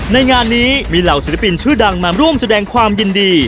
ในงานนี้มีเหล่าศิลปินชื่อดังมาร่วมแสดงความยินดี